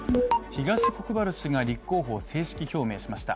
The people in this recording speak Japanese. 東国原氏が立候補を正式表明しました。